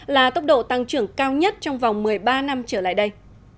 là tốc độ tăng trưởng cao nhất trong vòng một mươi ba năm trở lại đây